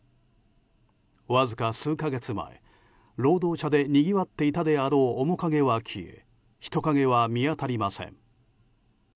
わずか数か月前労働者でにぎわっていたであろう面影は消え人影は見当たりません。